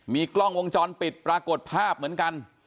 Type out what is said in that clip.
มีกล้องวงจรปิดปรากฏภาพเหมือนกัน